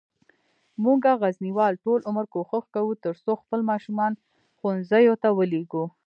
مونږه غزنیوال ټول عمر کوښښ کووه ترڅوخپل ماشومان ښوونځیوته ولیږو